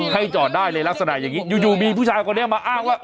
ให้จอดได้เลยลักษณะอย่างนี้อยู่มีผู้ชายคนนี้มาอ้างว่า